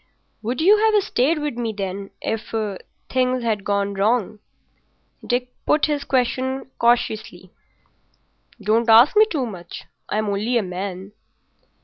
"Would you have stayed with me, then, if—things had gone wrong?" He put his question cautiously. "Don't ask me too much. I'm only a man."